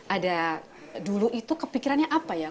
ada dulu itu kepikirannya apa ya